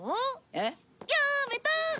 えっ？やーめた！